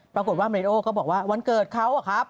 ปรากฏว่ามาริโอก็บอกว่าวันเกิดเขาอะครับ